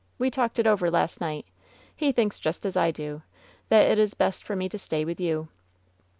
We talked it over last night. He thinks just as I do— that it is best for me to stay with you.''